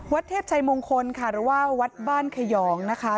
เทพชัยมงคลค่ะหรือว่าวัดบ้านขยองนะคะ